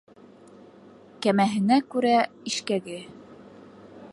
Кәмәһенә күрә ишкәге